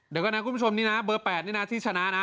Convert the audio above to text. เดี๋ยวก่อนนะคุณผู้ชมนี่นะเบอร์๘นี่นะที่ชนะนะ